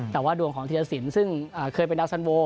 แต่ว่าดวงของธีรสินซึ่งเคยเป็นดาวสันโว